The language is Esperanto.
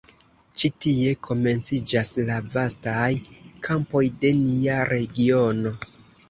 Ĉi tie komenciĝas la vastaj kampoj de nia regiono.